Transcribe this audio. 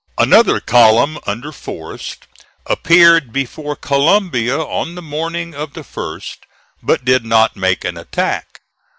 Another column under Forrest appeared before Columbia on the morning of the 1st, but did not make an attack.